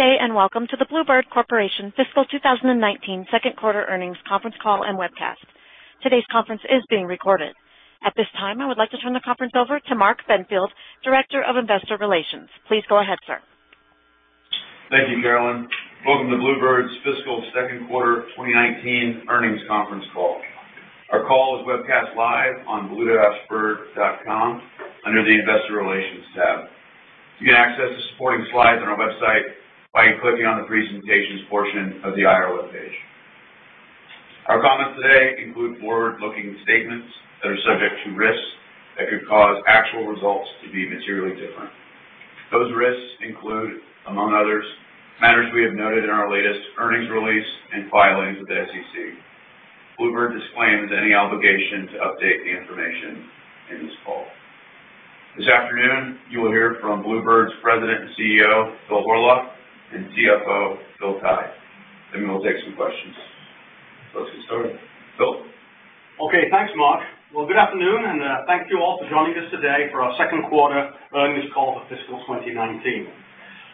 Good day. Welcome to the Blue Bird Corporation Fiscal 2019 Second Quarter Earnings Conference Call and Webcast. Today's conference is being recorded. At this time, I would like to turn the conference over to Mark Benfield, Director of Investor Relations. Please go ahead, sir. Thank you, Carolyn. Welcome to Blue Bird's Fiscal Second Quarter 2019 Earnings Conference Call. Our call is webcast live on bluebird.com under the Investor Relations tab. You can access the supporting slides on our website by clicking on the presentations portion of the IR web page. Our comments today include forward-looking statements that are subject to risks that could cause actual results to be materially different. Those risks include, among others, matters we have noted in our latest earnings release and filings with the SEC. Blue Bird disclaims any obligation to update the information in this call. This afternoon, you will hear from Blue Bird's President and CEO, Phil Horlock, and CFO, Phil Tighe. We will take some questions. Let's get started. Phil? Okay, thanks, Mark. Good afternoon. Thank you all for joining us today for our second quarter earnings call for fiscal 2019.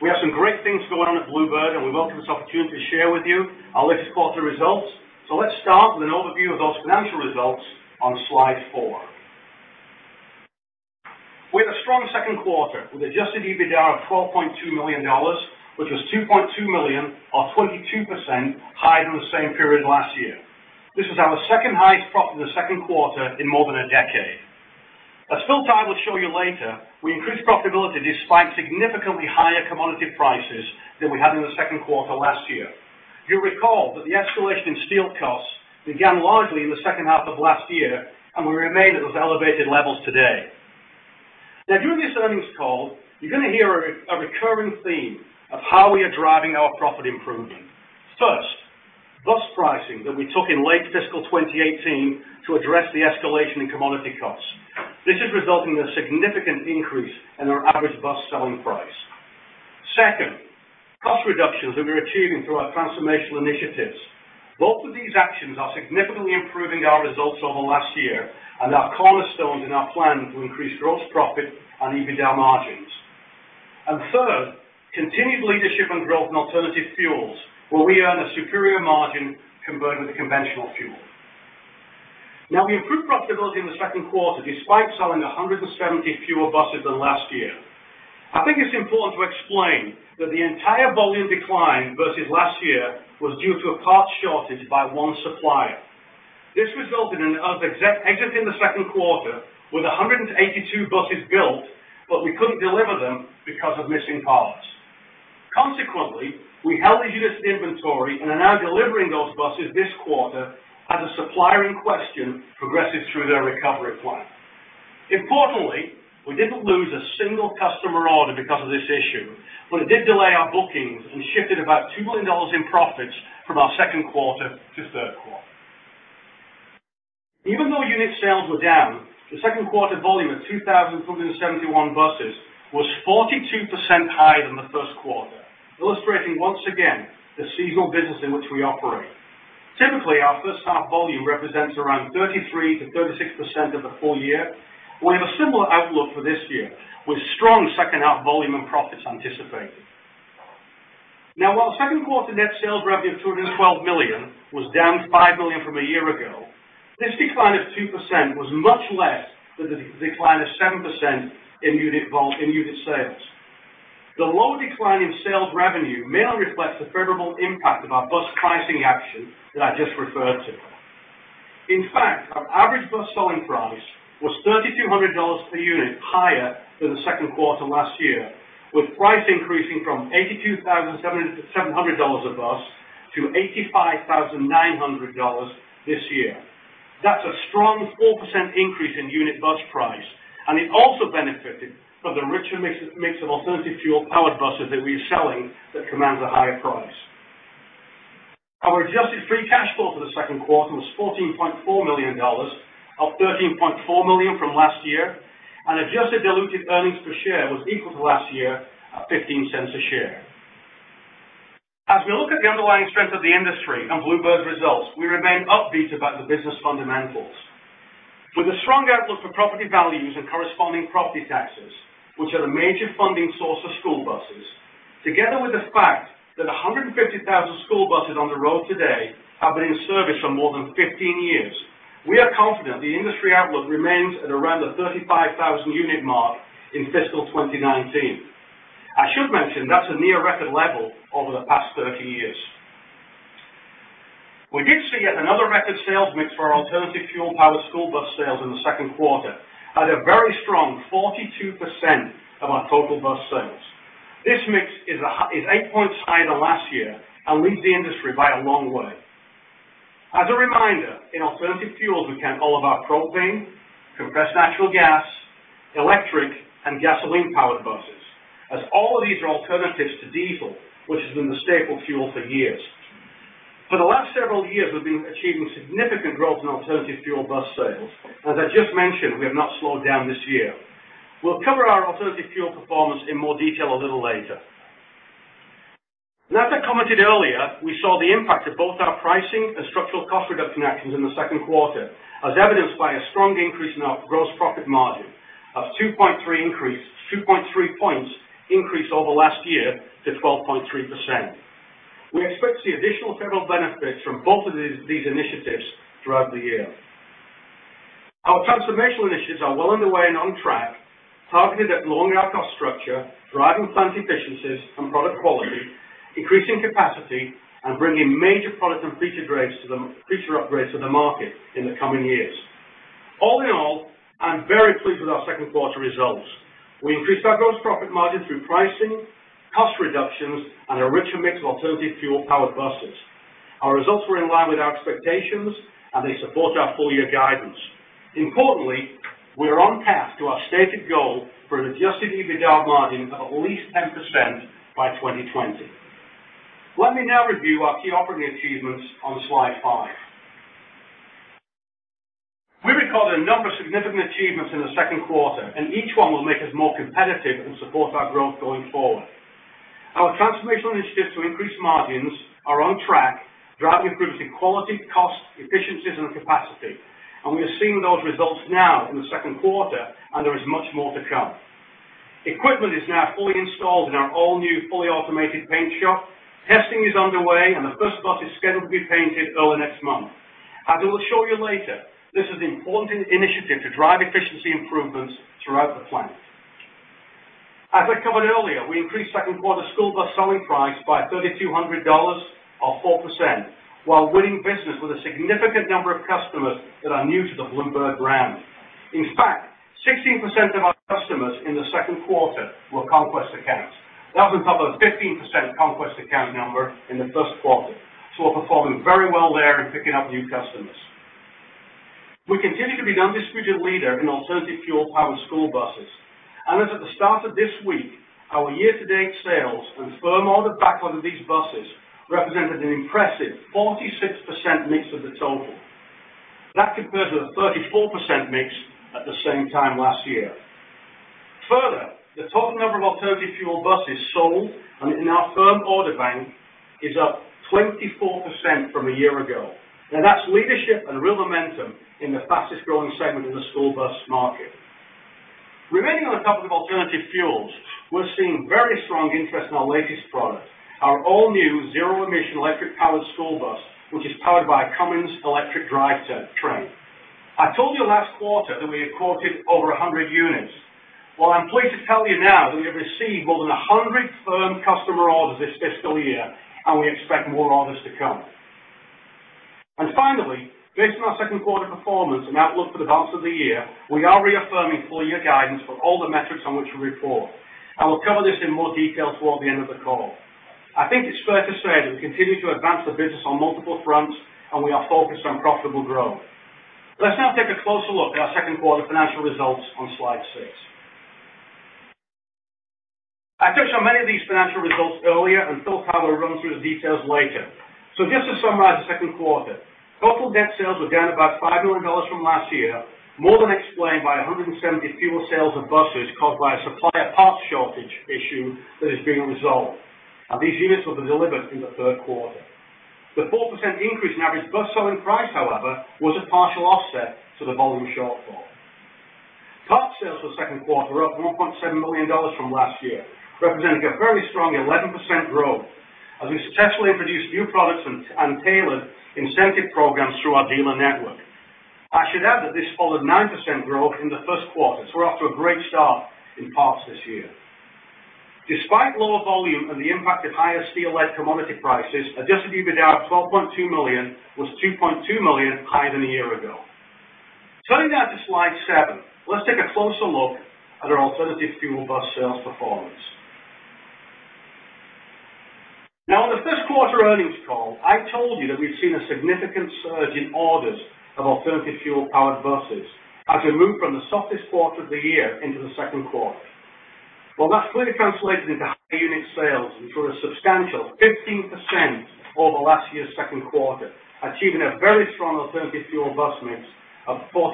We have some great things going on at Blue Bird, and we welcome this opportunity to share with you our latest quarter results. Let's start with an overview of those financial results on slide four. We had a strong second quarter with adjusted EBITDA of $12.2 million, which was $2.2 million or 22% higher than the same period last year. This was our second highest profit in the second quarter in more than a decade. As Phil Tighe will show you later, we increased profitability despite significantly higher commodity prices than we had in the second quarter last year. You will recall that the escalation in steel costs began largely in the second half of last year, and we remain at those elevated levels today. During this earnings call, you are going to hear a recurring theme of how we are driving our profit improvement. First, bus pricing that we took in late fiscal 2018 to address the escalation in commodity costs. This is resulting in a significant increase in our average bus selling price. Second, cost reductions that we are achieving through our transformational initiatives. Both of these actions are significantly improving our results over last year and are cornerstones in our plan to increase gross profit and EBITDA margins. Third, continued leadership and growth in alternative fuels where we earn a superior margin compared with conventional fuel. We improved profitability in the second quarter despite selling 170 fewer buses than last year. I think it is important to explain that the entire volume decline versus last year was due to a parts shortage by one supplier. This resulted in us exiting the second quarter with 182 buses built, but we couldn't deliver them because of missing parts. Consequently, we held the units in inventory and are now delivering those buses this quarter as the supplier in question progresses through their recovery plan. Importantly, we didn't lose a single customer order because of this issue, but it did delay our bookings and shifted about $2 million in profits from our second quarter to third quarter. Even though unit sales were down, the second quarter volume of 2,471 buses was 42% higher than the first quarter, illustrating once again the seasonal business in which we operate. Typically, our first half volume represents around 33%-36% of the full year. We have a similar outlook for this year, with strong second half volume and profits anticipated. While second quarter net sales revenue of $212 million was down $5 million from a year ago, this decline of 2% was much less than the decline of 7% in unit sales. The low decline in sales revenue mainly reflects the favorable impact of our bus pricing action that I just referred to. In fact, our average bus selling price was $3,200 per unit higher than the second quarter last year, with price increasing from $82,700 a bus to $85,900 this year. That's a strong 4% increase in unit bus price, and it also benefited from the richer mix of alternative fuel powered buses that we are selling that command a higher price. Our adjusted free cash flow for the second quarter was $14.4 million, up $13.4 million from last year, and adjusted diluted earnings per share was equal to last year at $0.15 a share. As we look at the underlying strength of the industry and Blue Bird's results, we remain upbeat about the business fundamentals. With a strong outlook for property values and corresponding property taxes, which are the major funding source of school buses, together with the fact that 150,000 school buses on the road today have been in service for more than 15 years, we are confident the industry outlook remains at around the 35,000 unit mark in fiscal 2019. I should mention that's a near record level over the past 30 years. We did see yet another record sales mix for our alternative fuel powered school bus sales in the second quarter at a very strong 42% of our total bus sales. This mix is eight points higher than last year and leads the industry by a long way. As a reminder, in alternative fuels, we count all of our propane, compressed natural gas, electric, and gasoline-powered buses, as all of these are alternatives to diesel, which has been the staple fuel for years. For the last several years, we've been achieving significant growth in alternative fuel bus sales. As I just mentioned, we have not slowed down this year. We'll cover our alternative fuel performance in more detail a little later. As I commented earlier, we saw the impact of both our pricing and structural cost reduction actions in the second quarter, as evidenced by a strong increase in our gross profit margin of 2.3 points increase over last year to 12.3%. We expect to see additional favorable benefits from both of these initiatives throughout the year. Our transformational initiatives are well underway and on track, targeted at lowering our cost structure, driving plant efficiencies and product quality, increasing capacity, and bringing major product and feature upgrades to the market in the coming years. All in all, I'm very pleased with our second quarter results. We increased our gross profit margin through pricing, cost reductions, and a richer mix of alternative fuel-powered buses. Our results were in line with our expectations, and they support our full-year guidance. Importantly, we are on path to our stated goal for an adjusted EBITDA margin of at least 10% by 2020. Let me now review our key operating achievements on slide five. We recorded a number of significant achievements in the second quarter, and each one will make us more competitive and support our growth going forward. Our transformational initiatives to increase margins are on track, driving improvements in quality, cost, efficiencies, and capacity. We are seeing those results now in the second quarter, and there is much more to come. Equipment is now fully installed in our all-new fully automated paint shop. Testing is underway, and the first bus is scheduled to be painted early next month. As we will show you later, this is an important initiative to drive efficiency improvements throughout the plant. As I covered earlier, we increased second quarter school bus selling price by $3,200 or 4%, while winning business with a significant number of customers that are new to the Blue Bird brand. In fact, 16% of our customers in the second quarter were conquest accounts. That was up from 15% conquest account number in the first quarter. We're performing very well there in picking up new customers. We continue to be the undisputed leader in alternative fuel-powered school buses. As of the start of this week, our year-to-date sales and firm order backlog of these buses represented an impressive 46% mix of the total. That compares with a 34% mix at the same time last year. Further, the total number of alternative fuel buses sold and in our firm order bank is up 24% from a year ago. That's leadership and real momentum in the fastest-growing segment in the school bus market. Remaining on the topic of alternative fuels, we're seeing very strong interest in our latest product, our all-new zero-emission electric-powered school bus, which is powered by a Cummins electric drivetrain. I told you last quarter that we had quoted over 100 units. I'm pleased to tell you now that we have received more than 100 firm customer orders this fiscal year, and we expect more orders to come. Finally, based on our second quarter performance and outlook for the balance of the year, we are reaffirming full-year guidance for all the metrics on which we report. We'll cover this in more detail toward the end of the call. I think it's fair to say that we continue to advance the business on multiple fronts, and we are focused on profitable growth. Let's now take a closer look at our second quarter financial results on slide six. I touched on many of these financial results earlier, and Phil Tighe will run through the details later. Just to summarize the second quarter, total net sales were down about $5 million from last year, more than explained by 170 fewer sales of buses caused by a supplier parts shortage issue that is being resolved. These units will be delivered in the third quarter. The 4% increase in average bus selling price, however, was a partial offset to the volume shortfall. Parts sales for the second quarter were up $1.7 million from last year, representing a very strong 11% growth as we successfully introduced new products and tailored incentive programs through our dealer network. I should add that this followed 9% growth in the first quarter. We're off to a great start in parts this year. Despite lower volume and the impact of higher steel and commodity prices, adjusted EBITDA of $12.2 million was $2.2 million higher than a year ago. Turning now to slide seven, let's take a closer look at our alternative fuel bus sales performance. In the first quarter earnings call, I told you that we've seen a significant surge in orders of alternative fuel-powered buses as we move from the softest quarter of the year into the second quarter. That's clearly translated into higher unit sales, which were a substantial 15% over last year's second quarter, achieving a very strong alternative fuel bus mix of 42%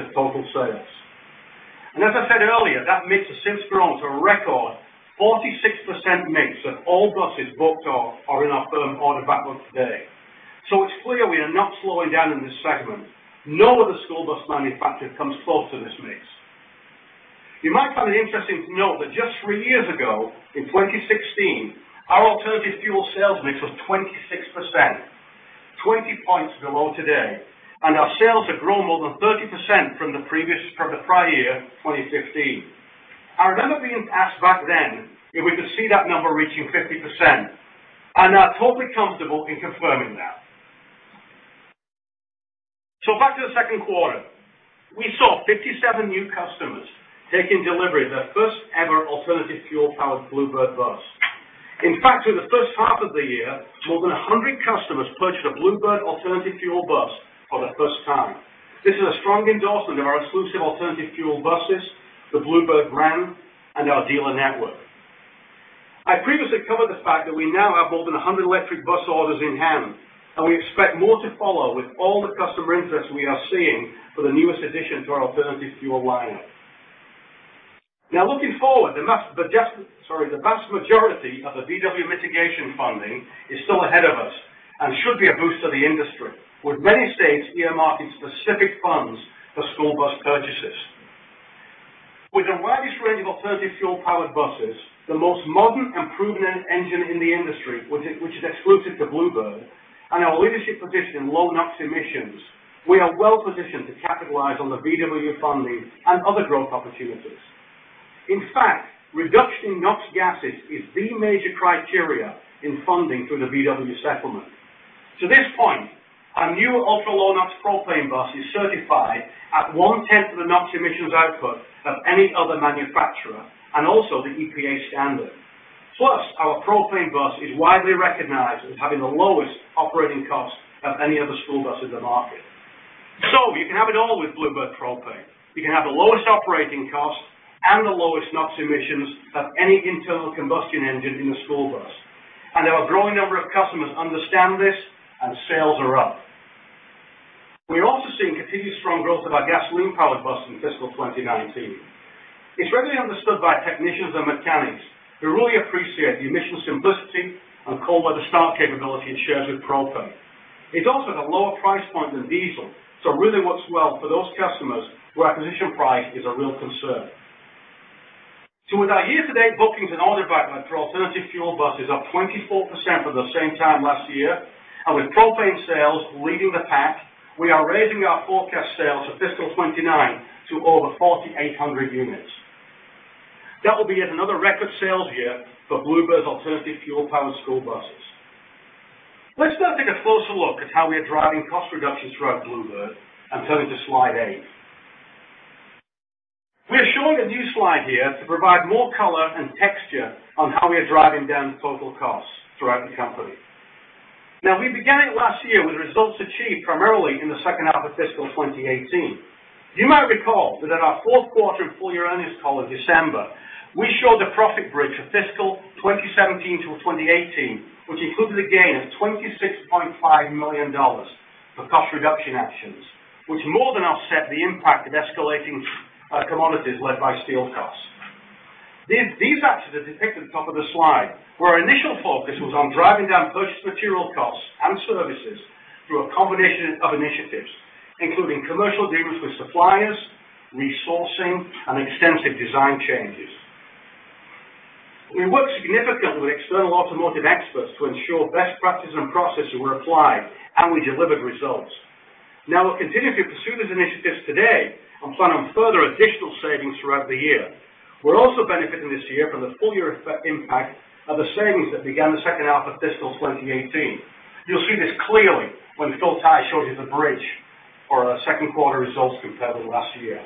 of total sales. As I said earlier, that mix has since grown to a record 46% mix of all buses booked or are in our firm order backlog today. It's clear we are not slowing down in this segment. No other school bus manufacturer comes close to this mix. You might find it interesting to know that just three years ago, in 2016, our alternative fuel sales mix was 26%, 20 points below today. Our sales have grown more than 30% from the prior year, 2015. I remember being asked back then if we could see that number reaching 50%, and I'm totally comfortable in confirming that. Back to the second quarter. We saw 57 new customers taking delivery of their first ever alternative fuel-powered Blue Bird bus. In fact, through the first half of the year, more than 100 customers purchased a Blue Bird alternative fuel bus for the first time. This is a strong endorsement of our exclusive alternative fuel buses, the Blue Bird brand, and our dealer network. I previously covered the fact that we now have more than 100 electric bus orders in hand. We expect more to follow with all the customer interest we are seeing for the newest addition to our alternative fuel lineup. Looking forward, the vast majority of the VW mitigation funding is still ahead of us and should be a boost to the industry, with many states earmarking specific funds for school bus purchases. With the widest range of alternative fuel-powered buses, the most modern and proven engine in the industry, which is exclusive to Blue Bird, and our leadership position in low NOx emissions, we are well-positioned to capitalize on the VW funding and other growth opportunities. In fact, reduction in NOx gases is the major criteria in funding through the VW settlement. To this point, our new ultra low NOx propane bus is certified at one-tenth of the NOx emissions output of any other manufacturer and also the EPA standard. Our propane bus is widely recognized as having the lowest operating cost of any other school bus in the market. You can have it all with Blue Bird propane. You can have the lowest operating cost and the lowest NOx emissions of any internal combustion engine in a school bus. There are a growing number of customers understand this, and sales are up. We're also seeing continued strong growth of our gasoline-powered bus in fiscal 2019. It's readily understood by technicians and mechanics who really appreciate the emission simplicity and cold weather start capability it shares with propane. It also has a lower price point than diesel, so it really works well for those customers where acquisition price is a real concern. With our year-to-date bookings and order backlog for alternative fuel buses up 24% from the same time last year, and with propane sales leading the pack, we are raising our forecast sales for fiscal 2019 to over 4,800 units. That will be yet another record sales year for Blue Bird's alternative fuel-powered school buses. Let's now take a closer look at how we are driving cost reductions throughout Blue Bird and turn to slide eight. We are showing a new slide here to provide more color and texture on how we are driving down total costs throughout the company. We began it last year with results achieved primarily in the second half of fiscal 2018. You might recall that at our fourth quarter and full year earnings call in December, we showed a profit bridge for fiscal 2017 to 2018, which included a gain of $26.5 million for cost reduction actions, which more than offset the impact of escalating commodities led by steel costs. These actions are depicted at the top of the slide, where our initial focus was on driving down purchased material costs and services through a combination of initiatives, including commercial deals with suppliers, resourcing, and extensive design changes. We worked significantly with external automotive experts to ensure best practices and processes were applied, and we delivered results. We'll continue to pursue these initiatives today and plan on further additional savings throughout the year. We're also benefiting this year from the full year impact of the savings that began the second half of fiscal 2018. You'll see this clearly when Phil Tighe shows you the bridge for our second quarter results compared with last year.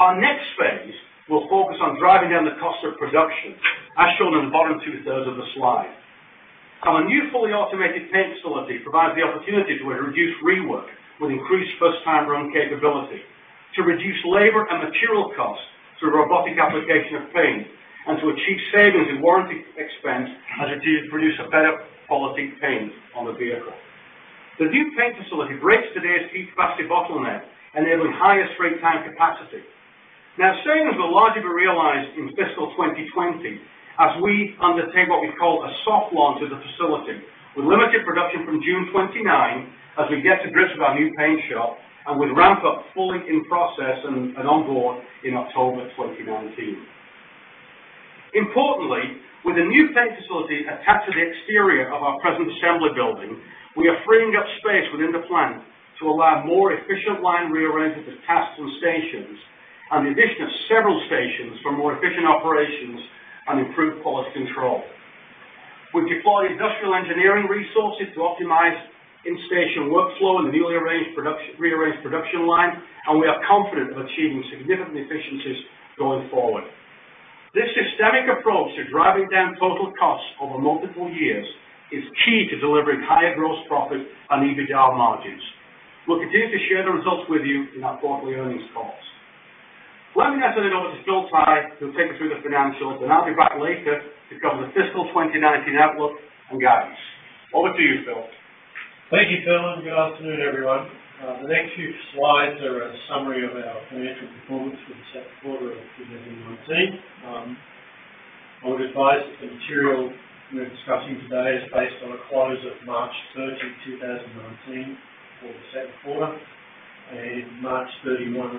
Our next phase will focus on driving down the cost of production, as shown in the bottom two-thirds of the slide. Our new fully automated paint facility provides the opportunity for it to reduce rework with increased first-time run capability, to reduce labor and material costs through robotic application of paint, and to achieve savings in warranty expense as it produce a better quality paint on the vehicle. The new paint facility breaks today's key capacity bottleneck, enabling higher straight time capacity. Now, savings will largely be realized in fiscal 2020 as we undertake what we call a soft launch of the facility, with limited production from June 29 as we get to grips with our new paint shop, and we ramp up fully in-process and onboard in October 2019. Importantly, with a new paint facility attached to the exterior of our present assembly building, we are freeing up space within the plant to allow more efficient line rearrangement of tasks and stations, and the addition of several stations for more efficient operations and improved quality control. We deploy industrial engineering resources to optimize in-station workflow in the newly rearranged production line, and we are confident of achieving significant efficiencies going forward. This systemic approach to driving down total costs over multiple years is key to delivering higher gross profit and EBITDA margins. We'll continue to share the results with you in our quarterly earnings calls. Let me now turn it over to Phil Tighe, who will take us through the financials, and I'll be back later to cover the fiscal 2019 outlook and guidance. Over to you, Phil. Thank you Phil, Good afternoon, everyone. The next few slides are a summary of our financial performance for the second quarter of 2019. I would advise that the material we're discussing today is based on a close of March 30, 2019 for the second quarter and March 31,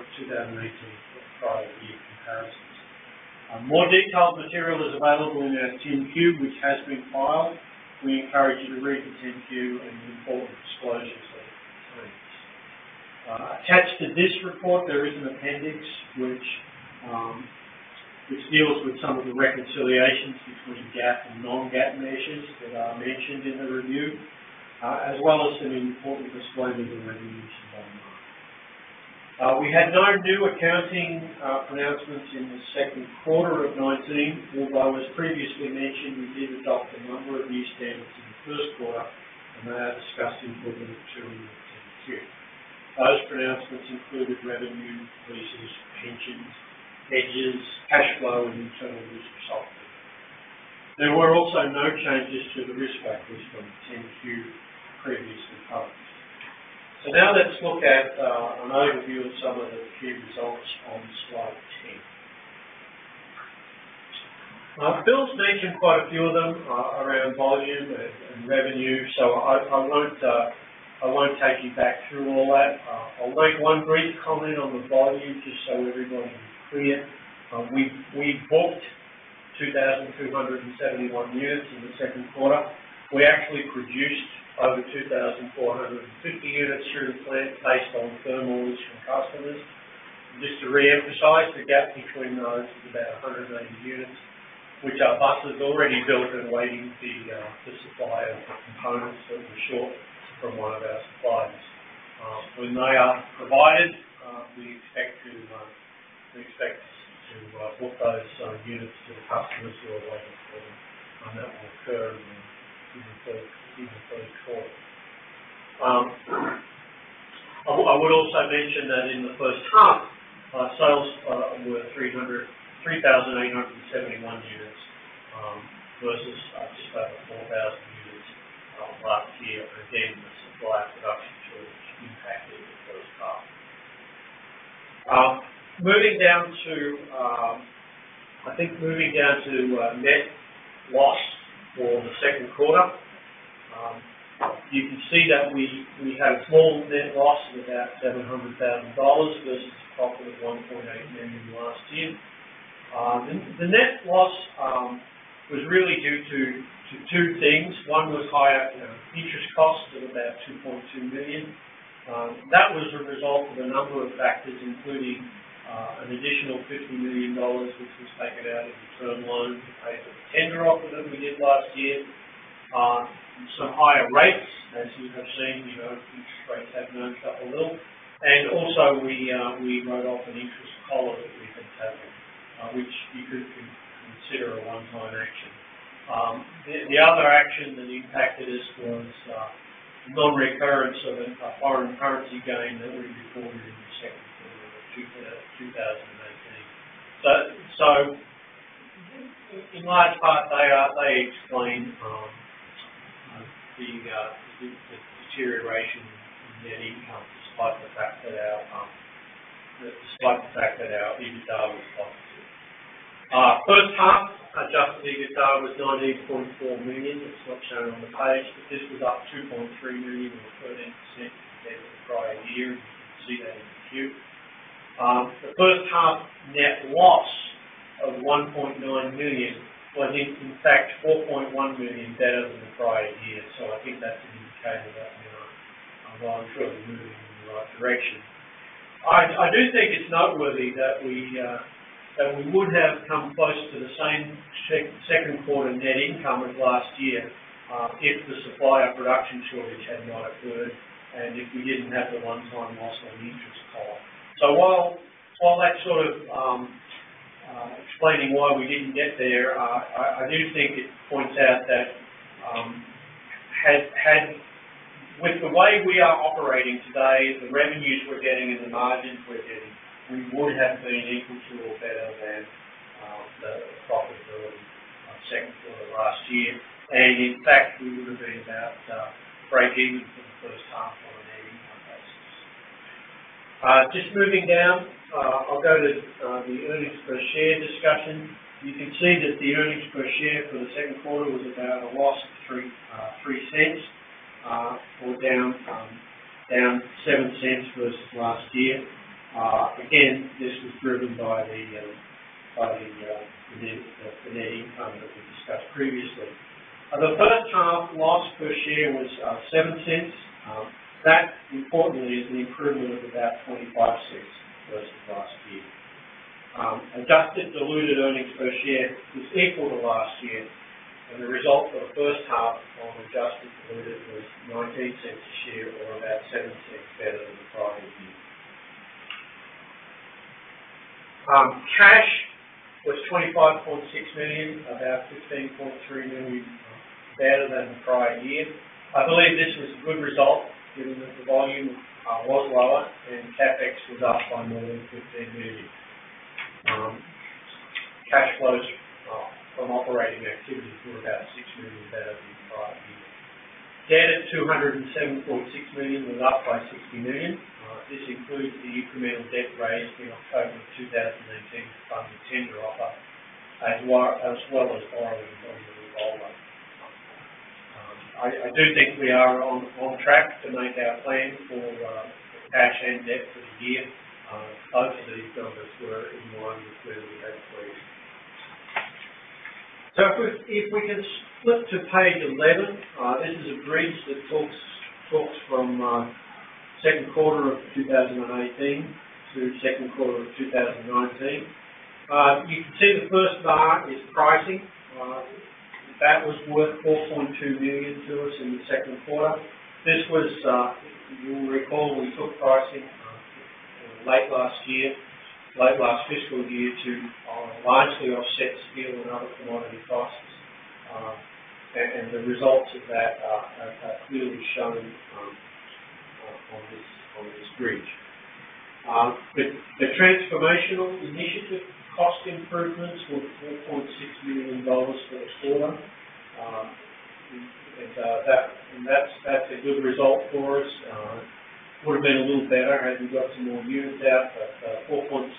2018 for the prior year comparisons. More detailed material is available in our 10-Q, which has been filed. We encourage you to read the 10-Q and the important disclosures therein. Attached to this report, there is an appendix which deals with some of the reconciliations between GAAP and non-GAAP measures that are mentioned in the review, as well as some important disclosures and revenues bottom line. We had no new accounting pronouncements in the second quarter of 2019, although, as previously mentioned, we did adopt a number of new standards in the first quarter, and they are discussed in further detail in the 10-Q. Those pronouncements included revenue, leases, pensions, hedges, cash flow, and internal. There were also no changes to the risk factors from the 10-Q previously published. Now let's look at an overview of some of the key results on slide 10. Phil's mentioned quite a few of them around volume and revenue, so I won't take you back through all that. I'll make one brief comment on the volume, just so everybody is clear. We booked 2,271 units in the second quarter. We actually produced in the very short term. I would also mention that in the first half, sales were 3,871 units versus just over 4,000 units last year. Again, the supplier production shortage impacted the first half. Moving down to net loss for the second quarter, you can see that we had a small net loss of about $700,000 versus a profit of $1.8 million last year. The net loss was really due to two things. One was higher, you know, interest costs of about $2.2 million. That was a result of a number of factors, including an additional $50 million, which was taken out as a term loan to pay for the tender offer that we did last year. Some higher rates, as you have seen, you know, interest rates have. Cash was $25.6 million, about $15.3 million better than the prior year. I believe this was a good result given that the volume was lower and CapEx was up by more than $15 million. Cash flows from operating activities were about $6 million better than the prior year. Debt at $207.6 million was up by $60 million. This includes the incremental debt raised in October 2019 to fund the tender offer, as well as borrowings on the revolver. I do think we are on track to make our plan for cash and debt for the year. Both of these numbers were in line with where we had planned. If we can flip to page 11, this is a bridge that talks from second quarter of 2018 to second quarter of 2019. You can see the first bar is pricing. That was worth $4.2 million to us in the second quarter. This was, you will recall we took pricing late last year, late last fiscal year to largely offset steel and other commodity costs. The results of that are clearly shown. Of this bridge. The transformational initiative cost improvements were $4.6 million for the quarter, and that's a good result for us. Would've been a little better had we got some more units out, but 4.6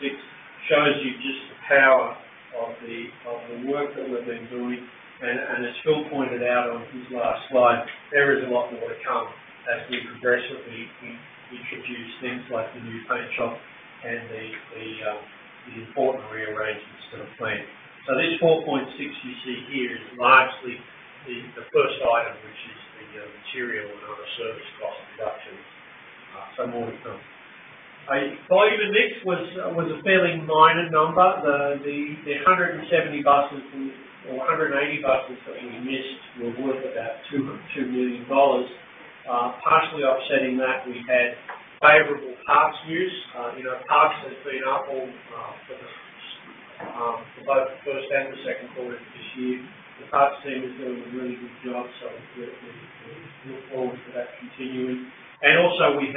shows you just the power of the work that we've been doing. As Phil pointed out on his last slide, there is a lot more to come as we progressively introduce things like the new paint shop and the important rearrangements to the plan. This 4.6 you see here is largely the first item, which is the material and other service cost reductions. More to come. Volume and mix was a fairly minor number. The 170 buses or 180 buses that we missed were worth about $2 million. Partially offsetting that, we had favorable parts use. Parts has been up for both the first and the second quarter of this year. The parts team is doing a really good job, so we look forward to that continuing. Also, we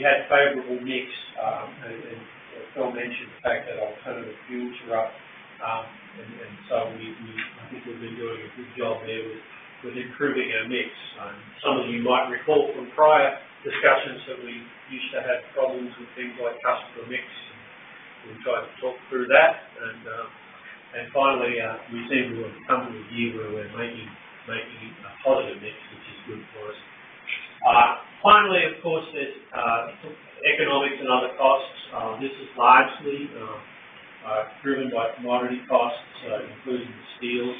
had favorable mix, and Phil mentioned the fact that alternative fuels are up. So I think we've been doing a good job there with improving our mix. Some of you might recall from prior discussions that we used to have problems with things like customer mix, and we tried to talk through that. Finally, we seem to have come to a year where we're making a positive mix, which is good for us. Finally, of course, there's economics and other costs. This is largely driven by commodity costs, including steel.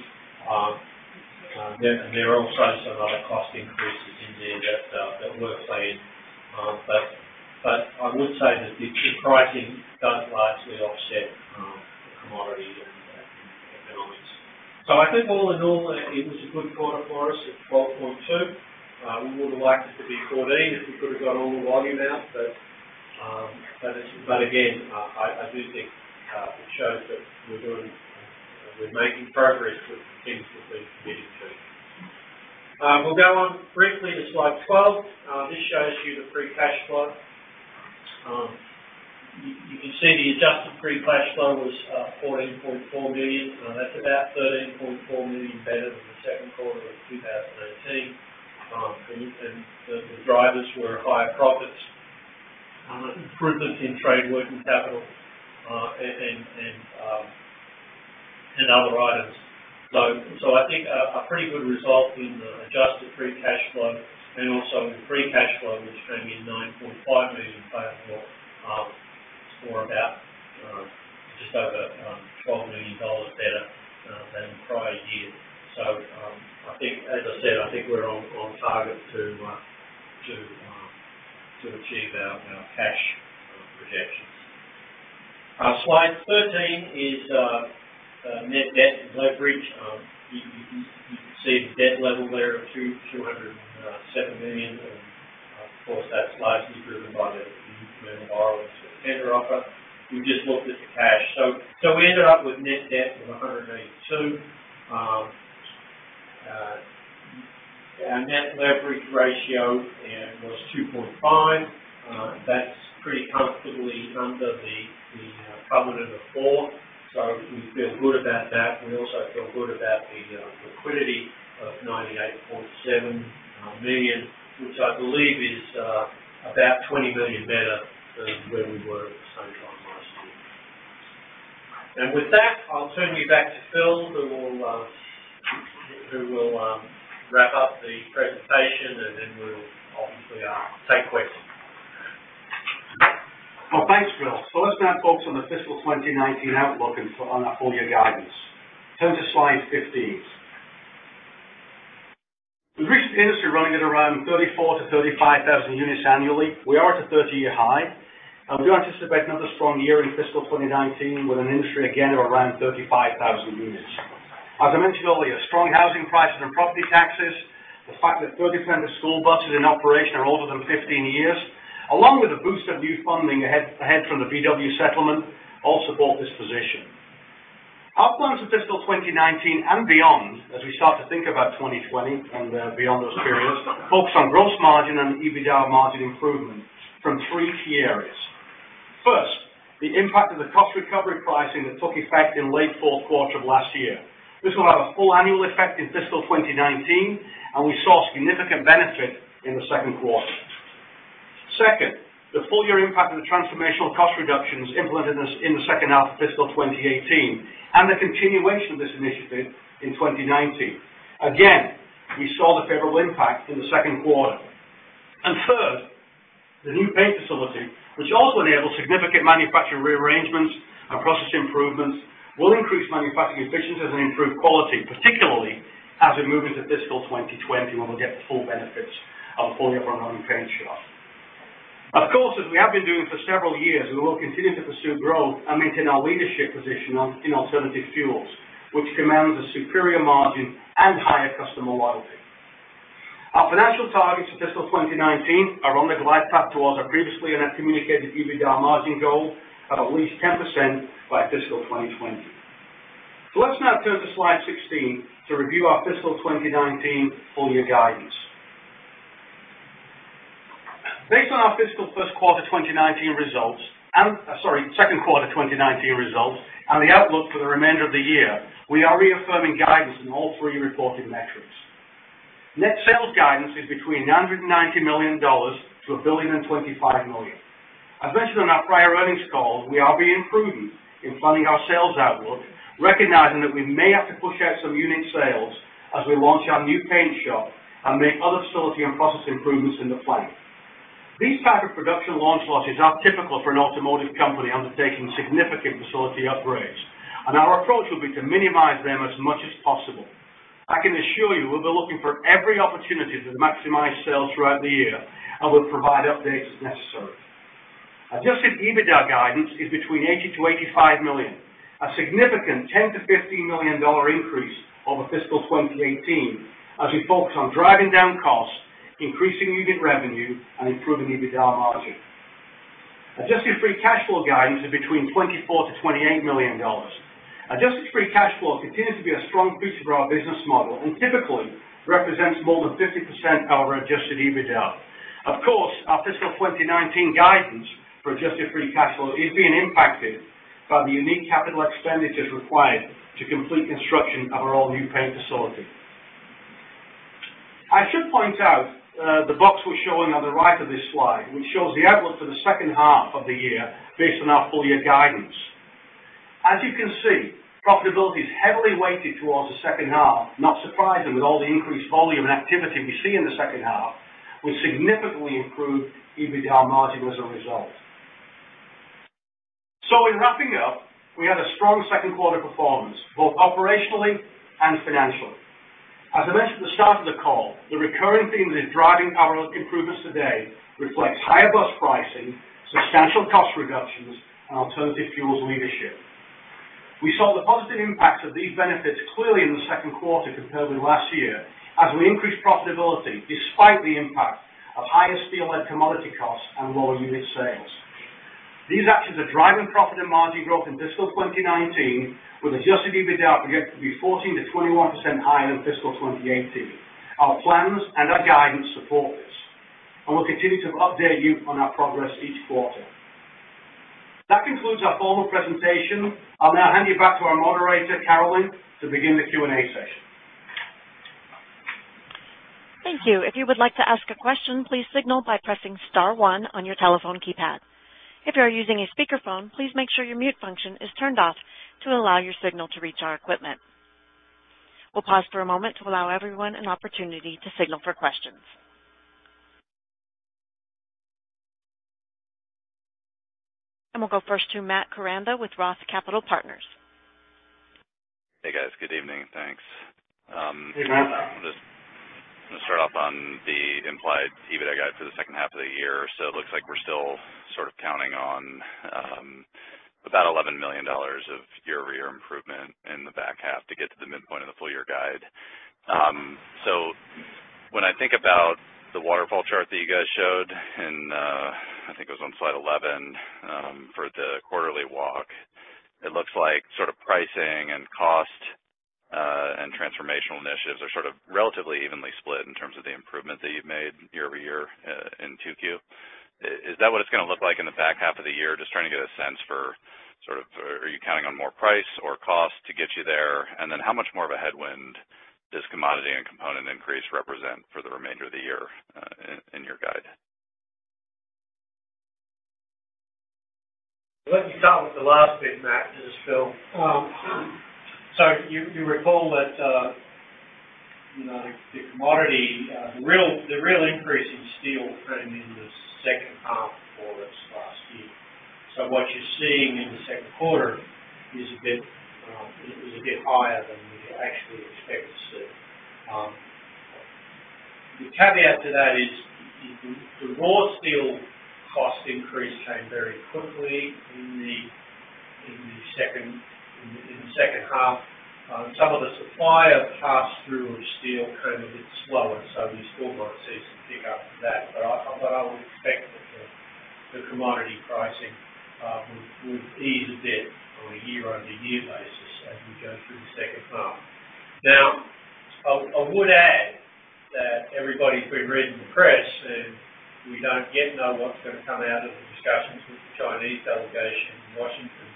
There are also some other cost increases in there that were planned. I would say that the pricing does largely offset commodity and economics. I think all in all, it was a good quarter for us at 12.2%. We would have liked it to be 14% if we could have got all the volume out. Again, I do think it shows that we're making progress with the things that we've committed to. We'll go on briefly to Slide 12. This shows you the free cash flow. You can see the adjusted free cash flow was $14.4 million. That's about $13.4 million better than the second quarter of 2018. The drivers were higher profits, improvements in trade working capital, and other items. I think a pretty good result in the adjusted free cash flow and also in free cash flow, which came in $9.5 million payable, or about just over $12 million better than the prior year. As I said, I think we're on target to achieve our cash projections. Slide 13 is net debt and leverage. You can see the debt level there of $207 million. Of course, that's largely driven by the new borrowing for the tender offer. We've just looked at the cash. We ended up with net debt of $182 million. Our net leverage ratio was 2.5x. That's pretty comfortably under the covenant of 4, so we feel good about that. We also feel good about the liquidity of $98.7 million, which I believe is about $20 million better than where we were at the same time last year. With that, I'll turn you back to Phil, who will wrap up the presentation, and then we'll obviously take questions. Well, thanks, Phil. Let's now focus on the fiscal 2019 outlook and on our full-year guidance. Turn to Slide 15. With recent industry running at around 34,000-35,000 units annually, we are at a 30-year high. We do anticipate another strong year in fiscal 2019 with an industry again of around 35,000 units. As I mentioned earlier, strong housing prices and property taxes, the fact that 30% of school buses in operation are older than 15 years, along with a boost of new funding ahead from the Volkswagen settlement, all support this position. Outlook into fiscal 2019 and beyond as we start to think about 2020 and beyond those periods, focus on gross margin and EBITDA margin improvement from three key areas. First, the impact of the cost recovery pricing that took effect in late fourth quarter of last year. This will have a full annual effect in fiscal 2019. We saw significant benefit in the second quarter. Second, the full-year impact of the transformational cost reductions implemented in the second half of fiscal 2018 and the continuation of this initiative in 2019. Again, we saw the favorable impact in the second quarter. Third, the new paint facility, which also enables significant manufacturing rearrangements and process improvements, will increase manufacturing efficiencies and improve quality, particularly as we move into fiscal 2020, when we'll get the full benefits of a fully up and running paint shop. Of course, as we have been doing for several years, we will continue to pursue growth and maintain our leadership position in alternative fuels, which commands a superior margin and higher customer loyalty. Our financial targets for fiscal 2019 are on the glide path towards our previously and our communicated EBITDA margin goal of at least 10% by fiscal 2020. Let's now turn to slide 16 to review our fiscal 2019 full year guidance. Based on our fiscal first quarter 2019 results, sorry, second quarter 2019 results and the outlook for the remainder of the year, we are reaffirming guidance in all three reported metrics. Net sales guidance is between $990 million-$1,025,000,000. As mentioned on our prior earnings call, we are being prudent in planning our sales outlook, recognizing that we may have to push out some unit sales as we launch our new paint shop and make other facility and process improvements in the plant. These type of production launch losses are typical for an automotive company undertaking significant facility upgrades. Our approach will be to minimize them as much as possible. I can assure you we'll be looking for every opportunity to maximize sales throughout the year and will provide updates as necessary. Adjusted EBITDA guidance is between $80 million-$85 million, a significant $10 million-$15 million increase over fiscal 2018 as we focus on driving down costs, increasing unit revenue and improving EBITDA margin. Adjusted free cash flow guidance is between $24 million-$28 million. Adjusted free cash flow continues to be a strong feature of our business model and typically represents more than 50% of our adjusted EBITDA. Of course, our fiscal 2019 guidance for adjusted free cash flow is being impacted by the unique capital expenditures required to complete construction of our all-new paint facility. I should point out the box we're showing on the right of this slide, which shows the outlook for the second half of the year based on our full-year guidance. As you can see, profitability is heavily weighted towards the second half. Not surprising with all the increased volume and activity we see in the second half, we significantly improved EBITDA margin as a result. In wrapping up, we had a strong second quarter performance both operationally and financially. As I mentioned at the start of the call, the recurring theme that is driving our improvements today reflects higher bus pricing, substantial cost reductions, and alternative fuels leadership. We saw the positive impacts of these benefits clearly in the second quarter compared with last year as we increased profitability, despite the impact of higher steel and commodity costs and lower unit sales. These actions are driving profit and margin growth in fiscal 2019, with adjusted EBITDA projected to be 14%-21% higher than fiscal 2018. Our plans and our guidance support this. We'll continue to update you on our progress each quarter. That concludes our formal presentation. I'll now hand you back to our moderator, Carolyn, to begin the Q&A session. Thank you. If you would like to ask a question, please signal by pressing star one on your telephone keypad. If you are using a speakerphone, please make sure your mute function is turned off to allow your signal to reach our equipment. We'll pause for a moment to allow everyone an opportunity to signal for questions. We'll go first to Matt Koranda with ROTH Capital Partners. Hey, guys. Good evening. Thanks. Hey, Matt. I'm gonna start off on the implied EBITDA guide for the second half of the year. It looks like we're still sort of counting on about $11 million of year-over-year improvement in the back half to get to the midpoint of the full year guide. When I think about the waterfall chart that you guys showed in, I think it was on slide 11 for the quarterly walk, it looks like sort of pricing and cost, and transformational initiatives are sort of relatively evenly split in terms of the improvement that you've made year-over-year in 2Q. Is that what it's gonna look like in the back half of the year? Just trying to get a sense for sort of, are you counting on more price or cost to get you there? How much more of a headwind does commodity and component increase represent for the remainder of the year in your guide? Let me start with the last bit, Matt. This is Phil. You recall that the real increase in steel framing in the second half for us last year. What you're seeing in the second quarter is a bit higher than we actually expected to see. The caveat to that is the raw steel cost increase came very quickly in the second half. Some of the supplier pass-through of steel came a bit slower, so we've still got to see some pick up for that. I would expect that the commodity pricing will ease a bit on a year-over-year basis as we go through the second half. I would add that everybody's been reading the press, we don't yet know what's going to come out of the discussions with the Chinese delegation in Washington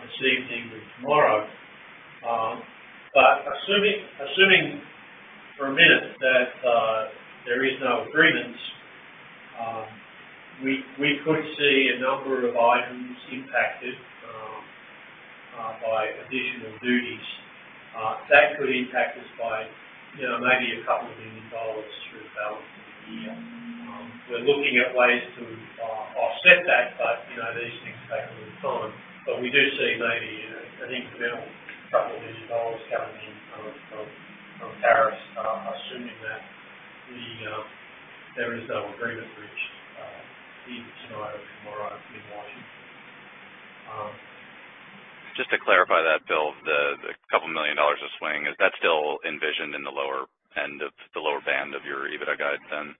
this evening or tomorrow. Assuming for a minute that there is no agreement, we could see a number of items impacted by additional duties. That could impact us by maybe a couple of million dollars through the balance of the year. We're looking at ways to offset that, these things take a little time. We do see maybe an incremental couple of million dollars coming in from tariffs, assuming that there is no agreement reached either tonight or tomorrow in Washington. Just to clarify that, Phil, the couple million dollars of swing, is that still envisioned in the lower end of the lower band of your EBITDA guidance then?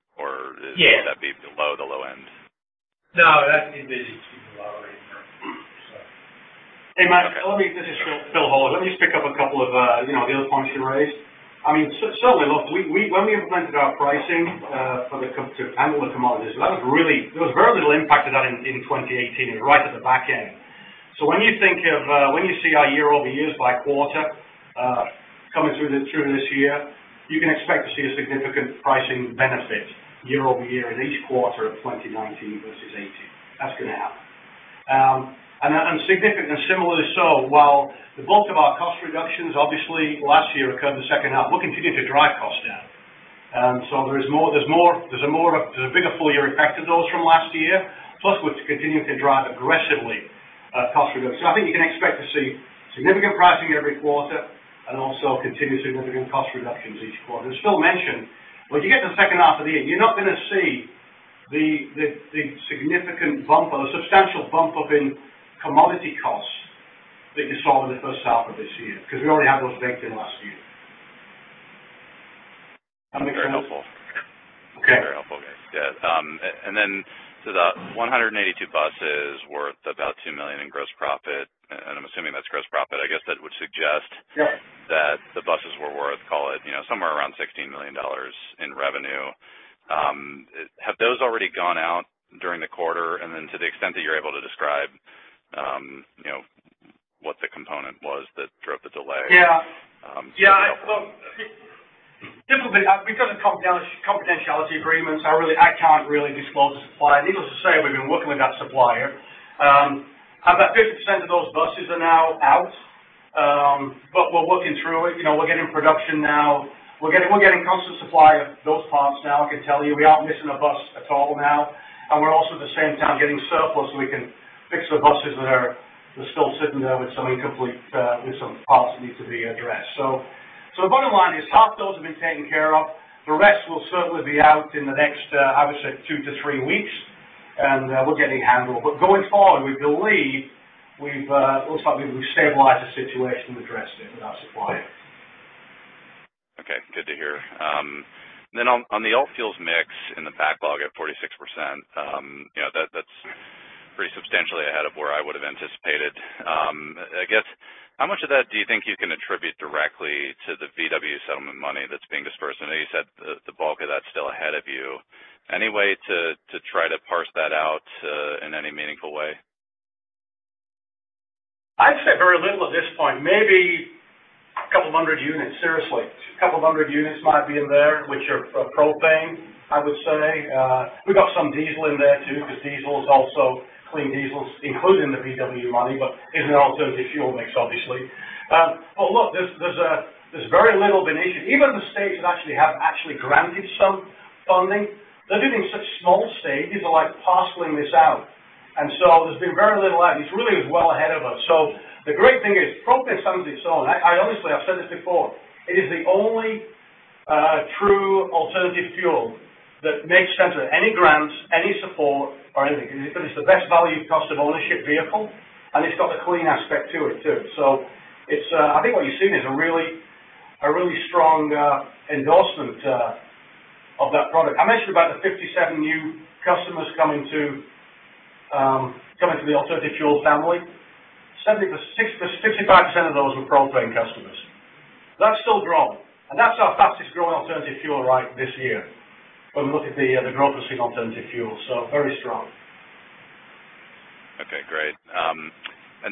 Yeah. Would that be below the low end? No, that's me being too elaborate. Hey, Matt, this is Phil Horlock. Let me just pick up a couple of the other points you raised. Look, when we implemented our pricing to handle the commodities, there was very little impact of that in 2018, right at the back end. When you see our year-over-years by quarter coming through this year, you can expect to see a significant pricing benefit year-over-year in each quarter of 2019 versus 2018. That's going to happen. Significant and similarly so, while the bulk of our cost reductions, obviously, last year occurred in the second half, we'll continue to drive costs down. There's a bigger full-year effect of those from last year, plus we're continuing to drive aggressively cost reduction. I think you can expect to see significant pricing every quarter and also continued significant cost reductions each quarter. As Phil mentioned, when you get to the second half of the year, you're not going to see the significant bump or the substantial bump up in commodity costs that you saw in the first half of this year because we already had those baked in last year. Does that make sense? Very helpful. Okay. Very helpful, guys. Yeah. The 182 buses worth about $2 million in gross profit, and I'm assuming that's gross profit. I guess that would suggest. Yes that the buses were worth, call it somewhere around $16 million in revenue. Have those already gone out during the quarter? To the extent that you're able to describe, what the component was that drove the delay? Yeah. That'd be helpful. Simply because of confidentiality agreements, I can't really disclose the supplier. Needless to say, we've been working with that supplier. About 50% of those buses are now out, but we're working through it. We're getting production now. We're getting constant supply of those parts now, I can tell you. We aren't missing a bus at all now, and we're also at the same time getting surplus so we can fix the buses that are still sitting there with some parts that need to be addressed. The bottom line is, half those have been taken care of. The rest will certainly be out in the next, I would say, two to three weeks, and we're getting it handled. Going forward, we believe we've stabilized the situation and addressed it with our supplier. Okay, good to hear. On the alt fuels mix in the backlog at 46%, that's pretty substantially ahead of where I would have anticipated. I guess, how much of that do you think you can attribute directly to the Volkswagen settlement money that's being disbursed? I know you said the bulk of that's still ahead of you. Any way to try to parse that out in any meaningful way? I'd say very little at this point. Maybe a couple of 100 units, seriously. A couple of 100 units might be in there, which are propane, I would say. We got some diesel in there, too, because diesel is also clean diesels, including the Volkswagen money, but is an alternative fuel mix, obviously. Look, there's very little been issued. Even the states that actually have granted some funding, they're doing such small stages of parceling this out. There's been very little out. This really is well ahead of us. The great thing is propane stands on its own. Honestly, I've said this before. It is the only true alternative fuel that makes sense with any grants, any support or anything because it's the best value cost of ownership vehicle, and it's got the clean aspect to it, too. I think what you're seeing is a really strong endorsement of that product. I mentioned about the 57 new customers coming to the alternative fuel family. 55% of those were propane customers. That's still growing, and that's our fastest-growing alternative fuel right this year when we look at the growth we're seeing in alternative fuels, so very strong.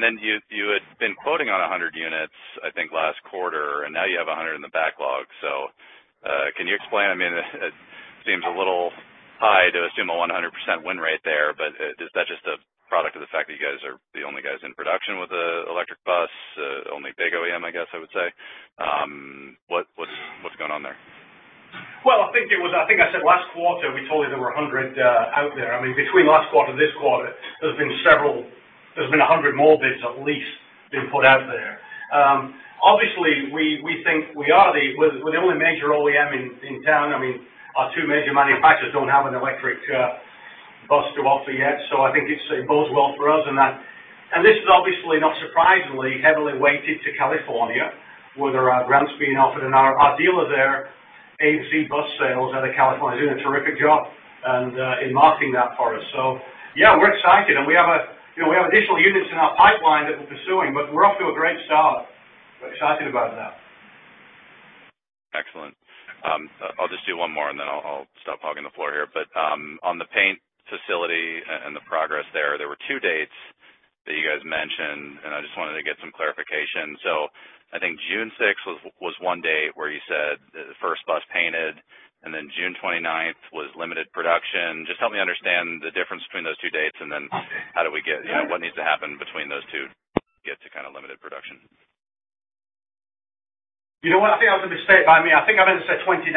Then you had been quoting on 100 units, I think, last quarter, and now you have 100 in the backlog. Can you explain? It seems a little high to assume a 100% win rate there, is that just a product of the fact that you guys are the only guys in production with an electric bus? Only big OEM, I guess I would say. What's going on there? Well, I think I said last quarter, we told you there were 100 out there. Between last quarter and this quarter, there's been 100 more bids at least been put out there. Obviously, we think we're the only major OEM in town. Our two major manufacturers don't have an electric bus to offer yet, I think it bodes well for us in that. This is obviously, not surprisingly, heavily weighted to California, where there are grants being offered, and our dealer there, A-Z Bus Sales out of California, is doing a terrific job in marketing that for us. Yeah, we're excited, and we have additional units in our pipeline that we're pursuing, we're off to a great start. We're excited about that. Excellent. I'll just do one more, then I'll stop hogging the floor here. On the paint facility and the progress there were two dates that you guys mentioned, and I just wanted to get some clarification. I think June 6 was one date where you said the first bus painted, and then June 29 was limited production. Just help me understand the difference between those two dates, then what needs to happen between those two to get to limited production. You know what? I think that was a mistake by me. I think I meant to say 2019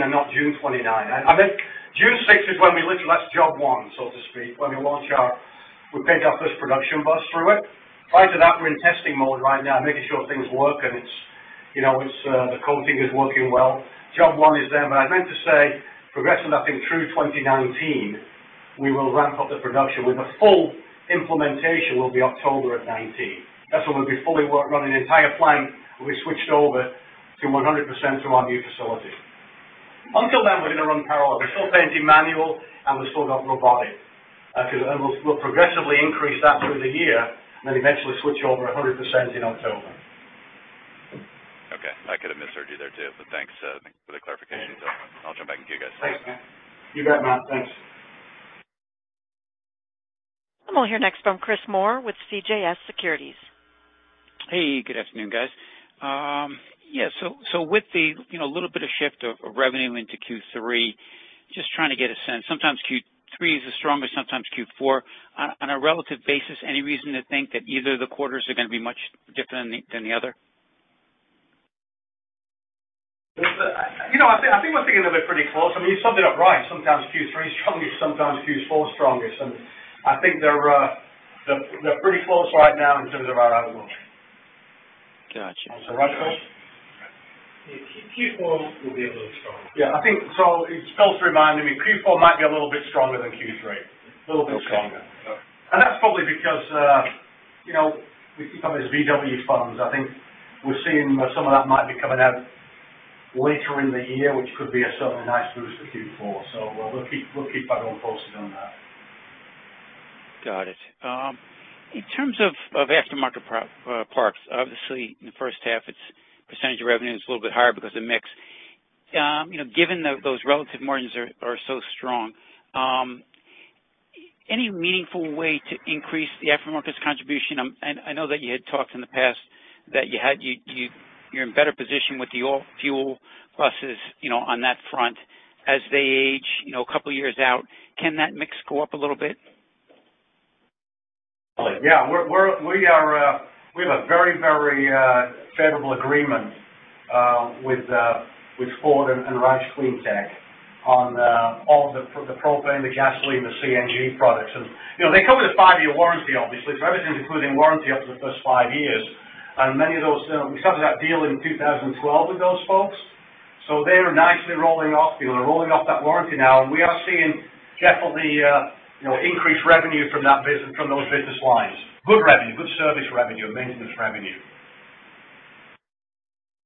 and not June 29. I think June 6 is when we launched job one, so to speak, when we launched our. We painted our first production bus through it. Prior to that, we're in testing mode right now, making sure things work and the coating is working well. Job one is there. I meant to say progressing, I think through 2019, we will ramp up the production with a full implementation will be October of 2019. That's when we'll be fully running the entire plant will be switched over to 100% to our new facility. Until then, we're going to run parallel. We're still painting manual, we've still got robotic. We'll progressively increase that through the year and then eventually switch over 100% in October. Okay. I could have misheard you there, too, but thanks for the clarification. Yeah. I'll jump back and give you guys- Thanks, Matt. You bet, Matt. Thanks. We'll hear next from Chris Moore with CJS Securities. Good afternoon, guys. With the little bit of shift of revenue into Q3, just trying to get a sense. Sometimes Q3 is the strongest, sometimes Q4. On a relative basis, any reason to think that either of the quarters are going to be much different than the other? I think we're thinking that they're pretty close. You summed it up right. Sometimes Q3 is strongest, sometimes Q4 is strongest. I think they're pretty close right now in terms of our outlook. Got you. Is that right, Phil? Q4 will be a little stronger. Yeah, I think Phil's reminding me Q4 might be a little bit stronger than Q3. A little bit stronger. That's probably because we keep talking about these Volkswagen funds. I think we're seeing some of that might be coming out later in the year, which could be a certainly nice boost to Q4. We'll keep everyone posted on that. Got it. In terms of aftermarket parts, obviously, in the first half, its percentage of revenue is a little bit higher because of mix. Given those relative margins are so strong, any meaningful way to increase the aftermarket's contribution? I know that you had talked in the past that you're in a better position with the alt-fuel buses on that front. As they age a couple of years out, can that mix go up a little bit? Yeah. We have a very, very favorable agreement with Ford and ROUSH CleanTech on all of the propane, the gasoline, the CNG products. They come with a five-year warranty, obviously. Everything's including warranty up to the first five years. We signed that deal in 2012 with those folks, they are nicely rolling off the deal. They're rolling off that warranty now, we are seeing definitely increased revenue from those business lines. Good revenue, good service revenue and maintenance revenue.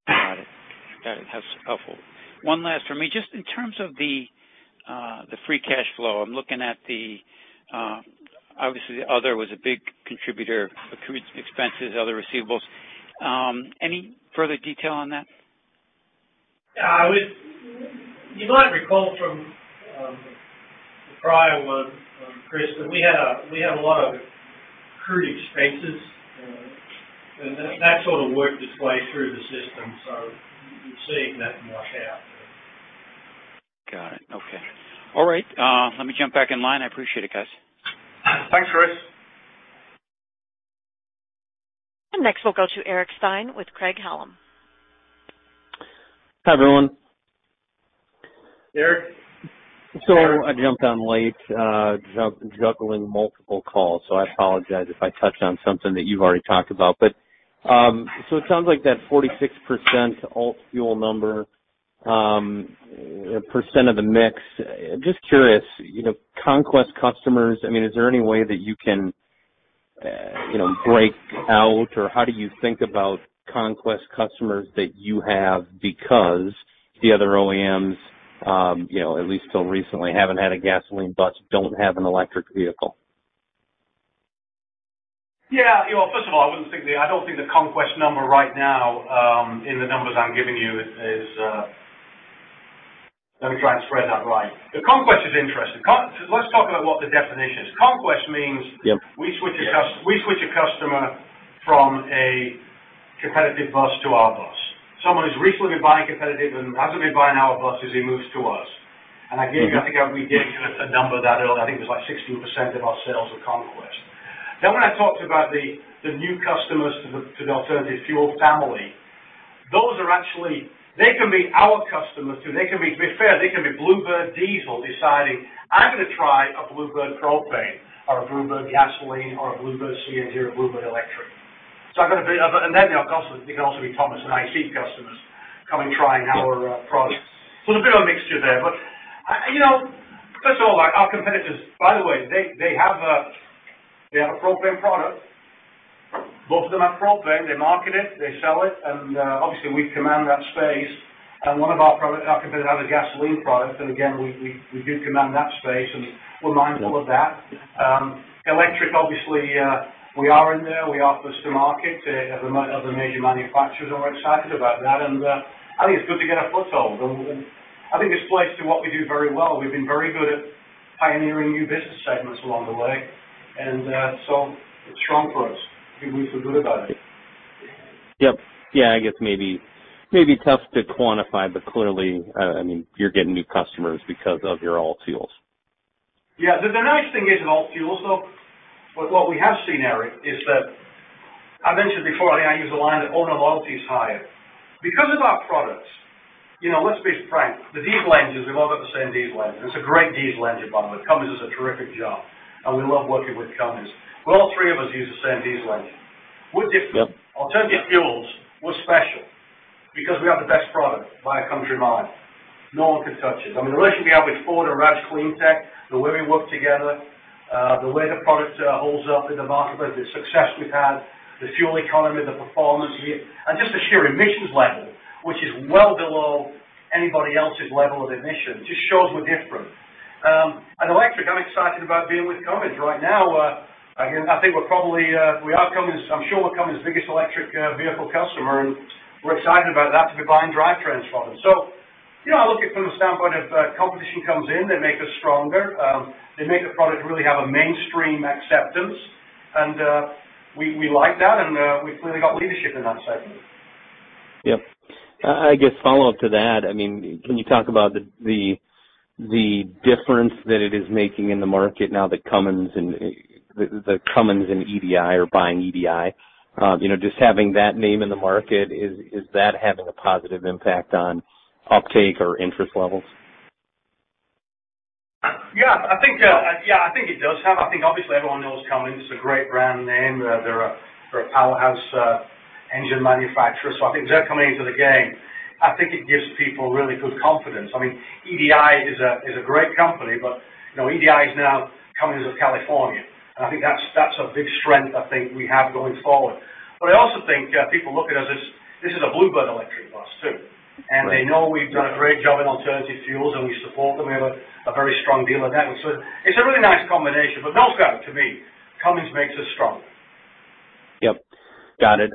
Got it. That's helpful. One last from me. Just in terms of the free cash flow, obviously, the other was a big contributor, accrued expenses, other receivables. Any further detail on that? You might recall from the prior one, Chris, that we had a lot of accrued expenses, that sort of worked its way through the system, you're seeing that wash out. Got it. Okay. All right. Let me jump back in line. I appreciate it, guys. Thanks, Chris. Next, we'll go to Eric Stine with Craig-Hallum. Hi, everyone. Eric. I jumped on late, juggling multiple calls, I apologize if I touch on something that you've already talked about. It sounds like that 46% alt fuel number percent of the mix. Just curious, Conquest customers, is there any way that you can break out or how do you think about Conquest customers that you have because the other OEMs, at least till recently, haven't had a gasoline bus, don't have an electric vehicle? First of all, I don't think the Conquest number right now in the numbers I'm giving you is. Let me try and thread that right. The Conquest is interesting. Let's talk about what the definition is. Conquest means- Yep we switch a customer from a competitive bus to our bus. Someone who's recently been buying competitive and hasn't been buying our bus as he moves to us. I think we gave you a number of that earlier. I think it was like 16% of our sales were Conquest. When I talked about the new customers to the alternative fuel family, those are actually. They can be our customers, too. To be fair, they can be Blue Bird diesel deciding, I'm going to try a Blue Bird propane or a Blue Bird gasoline or a Blue Bird CNG or a Blue Bird electric. They can also be Thomas and IC customers coming trying our products. There's a bit of a mixture there. First of all, our competitors, by the way, they have a propane product. Both of them have propane. They market it, they sell it, obviously, we command that space. One of our competitors has a gasoline product, again, we do command that space, and we're mindful of that. electric, obviously, we are in there. We offer us to market. The major manufacturers are excited about that, I think it's good to get a foothold. I think it's placed in what we do very well. We've been very good at pioneering new business segments along the way, it's strong for us. I think we feel good about it. Yep. Yeah, I guess maybe tough to quantify, but clearly, you're getting new customers because of your alt fuels. Yeah. The nice thing is in alt fuels, though, what we have seen, Eric, is that I mentioned before, I use the line that owner loyalty is higher. Because of our products, let's face frank, the diesel engines, we've all got the same diesel engine. It's a great diesel engine, by the way. Cummins does a terrific job, and we love working with Cummins. All three of us use the same diesel engine. We're different. Alternative fuels, we're special because we have the best product by a country mile. No one could touch it. I mean, the relationship we have with Ford and ROUSH CleanTech, the way we work together. The way the product holds up in the marketplace, the success we've had, the fuel economy, the performance, and just the sheer emissions level, which is well below anybody else's level of emissions, just shows we're different. Electric, I'm excited about being with Cummins right now. I'm sure we're Cummins' biggest electric vehicle customer, and we're excited about that, to be buying drivetrains from them. I look at it from the standpoint of competition comes in, they make us stronger. They make the product really have a mainstream acceptance. We like that, and we've clearly got leadership in that segment. Yep. I guess follow up to that, can you talk about the difference that it is making in the market now that Cummins and EDI are buying EDI? Just having that name in the market, is that having a positive impact on uptake or interest levels? Yeah. I think it does have. I think obviously everyone knows Cummins is a great brand name. They're a powerhouse engine manufacturer. I think they're coming into the game. I think it gives people really good confidence. EDI is a great company, but EDI is now Cummins of California, and I think that's a big strength I think we have going forward. I also think people look at us as, this is a Blue Bird electric bus, too. Right. They know we've done a great job in alternative fuels, and we support them. We have a very strong deal with that. It's a really nice combination. No, to me, Cummins makes us strong. Yep. Got it.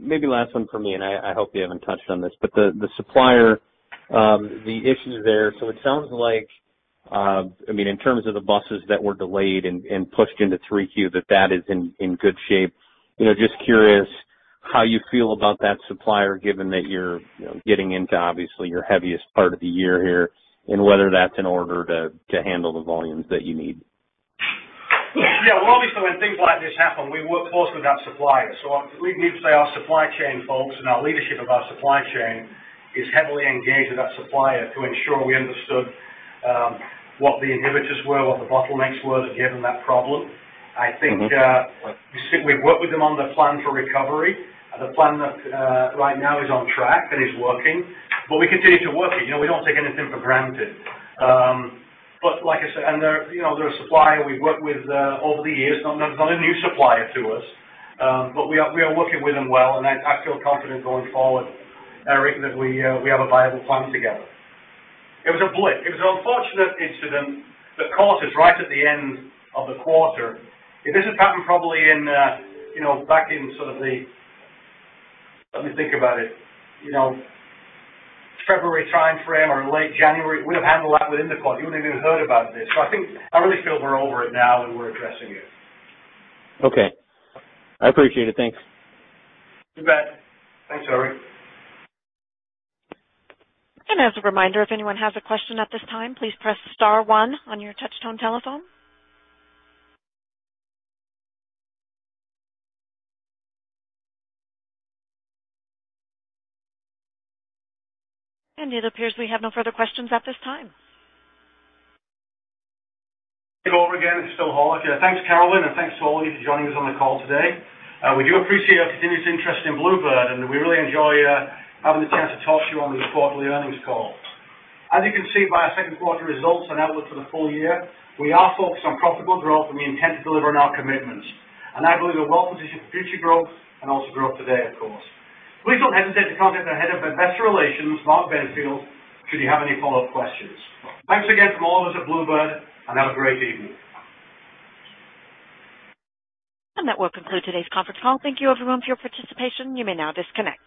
Maybe last one from me, and I hope you haven't touched on this, the supplier, the issues there. It sounds like in terms of the buses that were delayed and pushed into 3Q, that that is in good shape. Just curious how you feel about that supplier, given that you're getting into, obviously, your heaviest part of the year here, and whether that's in order to handle the volumes that you need. Yeah. Well, obviously, when things like this happen, we work closely with that supplier. I'm pleased to say our supply chain folks and our leadership of our supply chain is heavily engaged with that supplier to ensure we understood what the inhibitors were, what the bottlenecks were that gave them that problem. I think we've worked with them on the plan for recovery, the plan that right now is on track and is working. We continue to work it. We don't take anything for granted. They're a supplier we've worked with over the years. It's not a new supplier to us. We are working with them well, and I feel confident going forward, Eric, that we have a viable plan together. It was a blip. It was an unfortunate incident that caught us right at the end of the quarter. If this had happened probably back in, let me think about it, February timeframe or late January, we'd have handled that within the quarter. You wouldn't have even heard about this. I really feel we're over it now and we're addressing it. Okay. I appreciate it. Thanks. You bet. Thanks, Eric. As a reminder, if anyone has a question at this time, please press star one on your touchtone telephone. It appears we have no further questions at this time. Over again, it's Phil Horlock here. Thanks, Carolyn, and thanks to all of you for joining us on the call today. We do appreciate your continued interest in Blue Bird, and we really enjoy having the chance to talk to you on this quarterly earnings call. As you can see by our second quarter results and outlook for the full year, we are focused on profitable growth, and we intend to deliver on our commitments. I believe we're well-positioned for future growth and also growth today, of course. Please don't hesitate to contact the head of investor relations, Mark Benfield, should you have any follow-up questions. Thanks again from all of us at Blue Bird, and have a great evening. That will conclude today's conference call. Thank you, everyone, for your participation. You may now disconnect.